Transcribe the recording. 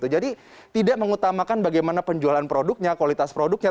jadi tidak mengutamakan bagaimana penjualan produknya kualitas produknya